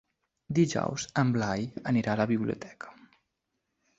Dijous en Blai anirà a la biblioteca.